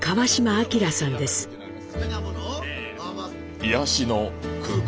癒やしの空間。